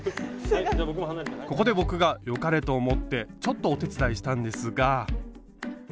ここで僕がよかれと思ってちょっとお手伝いしたんですが。